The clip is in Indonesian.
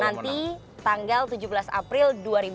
nanti tanggal tujuh belas april dua ribu sembilan belas